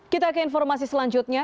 kita ke informasi selanjutnya